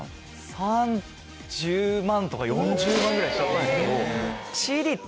３０万円とか４０万円ぐらいしたと思うんですけど。